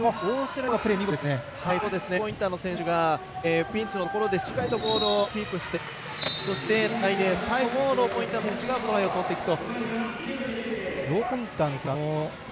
ローポインターの選手がピンチのところでしっかりとボールをキープしてそして、つないで最後もローポインターの選手がトライを取っていくと。